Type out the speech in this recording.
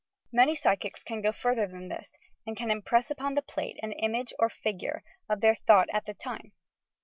Many psychics can go further than this, and can im press upon the plate an image or figure of their thought at the time.